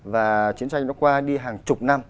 và chiến tranh nó qua đi hàng chục năm